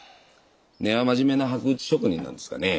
根は真面目な箔打ち職人なんですがね。